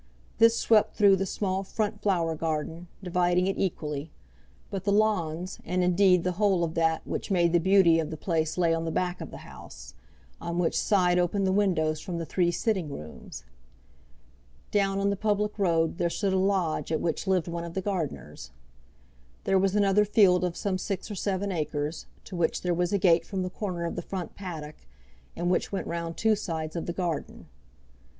This swept through the small front flower garden, dividing it equally; but the lawns and indeed the whole of that which made the beauty of the place lay on the back of the house, on which side opened the windows from the three sitting rooms. Down on the public road there stood a lodge at which lived one of the gardeners. There was another field of some six or seven acres, to which there was a gate from the corner of the front paddock, and which went round two sides of the garden.